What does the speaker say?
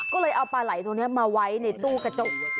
ก็เลยเอาปลาไหล่ตัวนี้มาไว้ในตู้กระจก